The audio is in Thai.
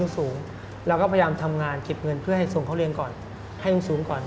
เก็บเงินเพื่อให้สูงข้อเลี้ยงก่อนให้ยังสูงก่อน